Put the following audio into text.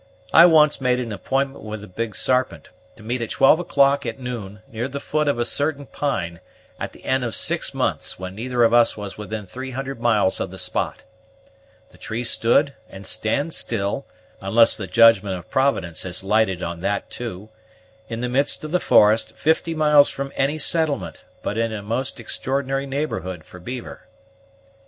I once made an appointment with the Big Sarpent, to meet at twelve o'clock at noon, near the foot of a certain pine, at the end of six months, when neither of us was within three hundred miles of the spot. The tree stood, and stands still, unless the judgment of Providence has lighted on that too, in the midst of the forest, fifty miles from any settlement, but in a most extraordinary neighborhood for beaver."